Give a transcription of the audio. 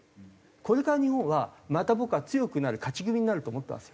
これから日本はまた僕は強くなる勝ち組になると思ってます。